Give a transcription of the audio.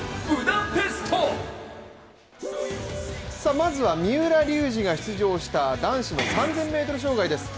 まずは三浦龍司が出場した男子の３０００ｍ障害です。